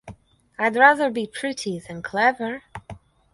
I’d rather be pretty than clever.